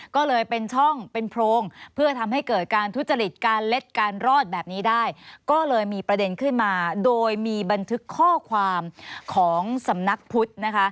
ก็เลยเป็นช่องเป็นโพรงเพื่อทำให้เกิดการทุจริตการเล็ดการรอดแบบนี้ได้ก็เลยมีประเด็นขึ้นมาโดยมีบันทึกข้อความของสำนักพุทธนะคะ